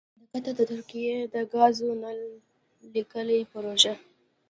دقطر ترکیې دګازو نل لیکې پروژه: